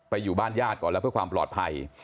อยู่บ้านญาติก่อนแล้วเพื่อความปลอดภัย